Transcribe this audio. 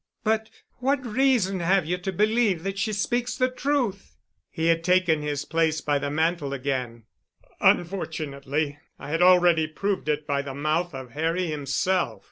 But what reason have you to believe that she speaks the truth?" He had taken his place by the mantel again. "Unfortunately—I had already proved it by the mouth of Harry himself."